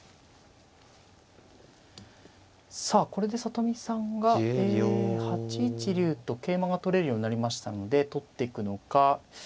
さあこれで里見さんがえ８一竜と桂馬が取れるようになりましたので取っていくのか。